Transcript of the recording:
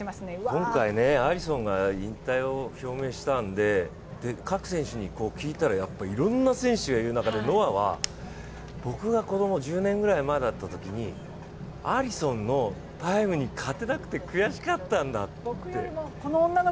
今回、アリソンが引退を表明したんで各選手に聞いたらやっぱりいろんな選手がいる中で、ノアは、僕がこの１０年ぐらい前だったときに、アリソンのタイムに勝てなくて悔しかったんだって。